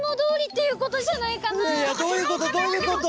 いやいやどういうことどういうこと？